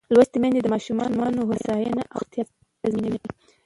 لوستې میندې د ماشوم هوساینه او روغتیا تضمینوي.